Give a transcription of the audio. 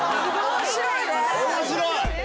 面白い！